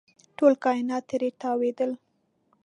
ټول کاینات ترې تاوېدل.